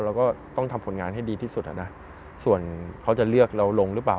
เราก็ต้องทำผลงานให้ดีที่สุดอ่ะนะส่วนเขาจะเลือกเราลงหรือเปล่า